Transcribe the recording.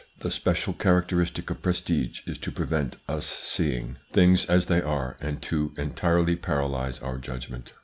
The special characteristic of prestige is to prevent us seeing things as they are and to entirely paralyse our judgment.